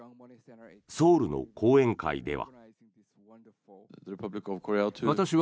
ソウルの講演会では。